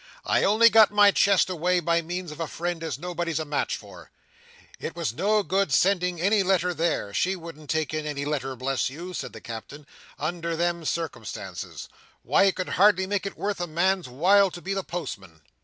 I only got my chest away by means of a friend as nobody's a match for. It was no good sending any letter there. She wouldn't take in any letter, bless you," said the Captain, "under them circumstances! Why, you could hardly make it worth a man's while to be the postman!"